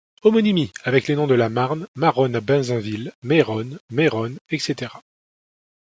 Homonymie avec les noms de la Marne, Marronne à Bazenville, Mayronnes, Meyronne, etc..